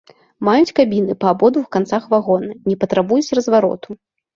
Маюць кабіны па абодвух канцах вагона, не патрабуюць развароту.